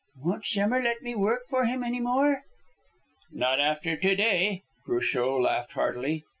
"Won't Schemmer let me work for him any more?" "Not after to day." Cruchot laughed heartily.